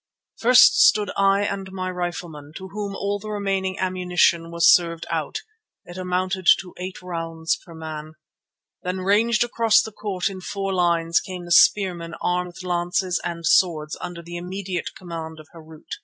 First stood I and my riflemen, to whom all the remaining ammunition was served out; it amounted to eight rounds per man. Then, ranged across the court in four lines, came the spearmen armed with lances and swords under the immediate command of Harût.